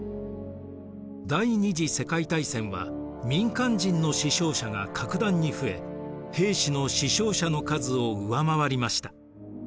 第二次世界大戦は民間人の死傷者が格段に増え兵士の死傷者の数を上回りました。